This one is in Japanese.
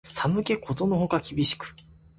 寒気ことのほか厳しく